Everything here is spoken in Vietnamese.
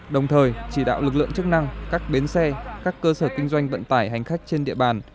đồng thời chỉ đạo lực lượng chức năng các bến xe các cơ sở kinh doanh vận tải hành khách trên địa bàn